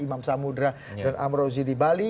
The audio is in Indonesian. imam samudera dan amrozi di bali